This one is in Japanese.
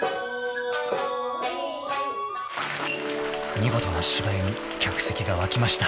［見事な芝居に客席が沸きました］